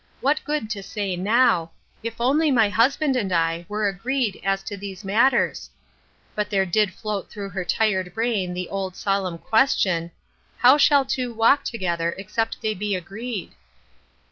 What good to say now, " If only my husband and I were agreed as to these matters ?" But there did float through her tired brain the old, solemn question, " How shall two walk together except they be agreed